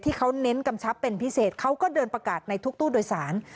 ที่เขาเน้นกำชับเป็นพิเศษเขาก็เดินประกาศในทุกตู้โดยสาร